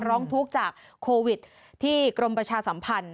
ร้องทุกข์จากโควิดที่กรมประชาสัมพันธ์